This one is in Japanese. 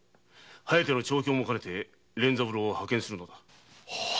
「疾風」の調教も兼ねて連三郎を派遣するのだ。